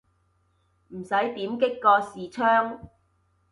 唔使點擊個視窗